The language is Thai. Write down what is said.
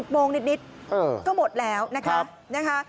โมงนิดก็หมดแล้วนะคะ